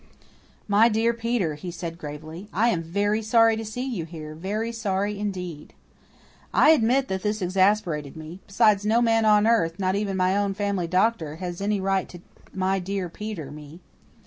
"My dear Peter," he said gravely, "I am VERY sorry to see you here very sorry indeed." I admit that this exasperated me. Besides, no man on earth, not even my own family doctor, has any right to "My dear Peter" me!